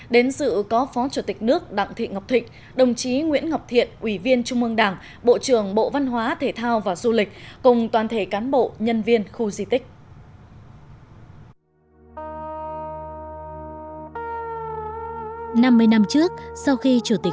đến sự có phó chủ tịch nước đặng thị ngọc thịnh đồng chí nguyễn ngọc thiện ủy viên trung mương đảng bộ trưởng bộ văn hóa thể thao và du lịch cùng toàn thể cán bộ nhân viên khu di tích